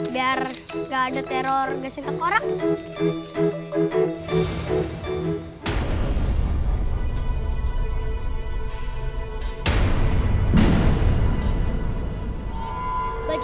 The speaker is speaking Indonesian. biar ga ada teror gesitak orang